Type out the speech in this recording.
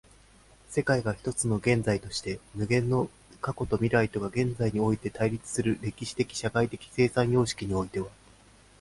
世界が一つの現在として、無限の過去と未来とが現在において対立する歴史的社会的生産様式においては、